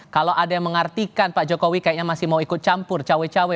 kalau ada yang mengartikan pak jokowi kayaknya masih mau ikut campur cawe cawe